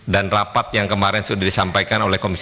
dan rapat yang kemarin sudah disampaikan oleh komisi tiga